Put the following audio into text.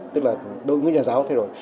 tức là đối với nhà giáo thay đổi